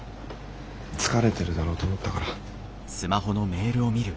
疲れてるだろうと思ったから。